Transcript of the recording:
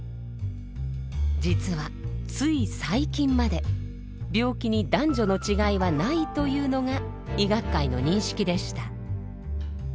実はつい最近まで病気に男女の違いはないというのが医学界の認識でした。